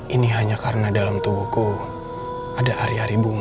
ini hanya karena dalam tubuhku ada ari ari bunga